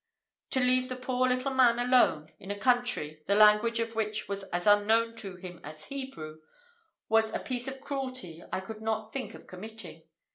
To leave the poor little man alone, in a country, the language of which was as unknown to him as Hebrew, was a piece of cruelty I could not think of committing.